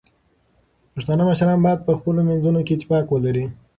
پښتانه مشران باید په خپلو منځونو کې اتفاق ولري.